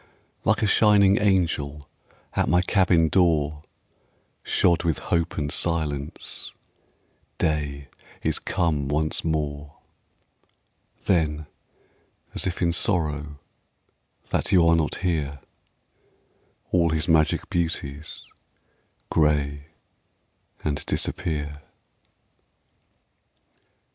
Like a shining angel At my cabin door, Shod with hope and silence, Day is come once more. Then, as if in sorrow That you are not here, All his magic beauties Gray and disappear.